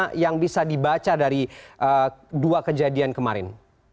apa yang bisa dibaca dari dua kejadian kemarin